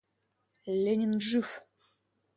Ленин — жив.